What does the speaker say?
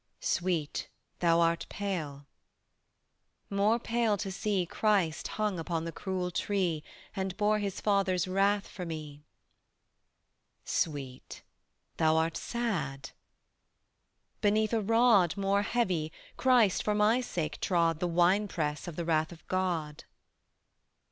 "Sweet, thou art pale." "More pale to see, Christ hung upon the cruel tree And bore His Father's wrath for me." "Sweet, thou art sad." "Beneath a rod More heavy, Christ for my sake trod The winepress of the wrath of God."